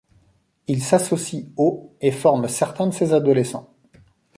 Il s'associe au et forme certains de ses adolescents.